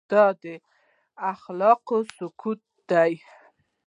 دا اخلاقي سقوط دی.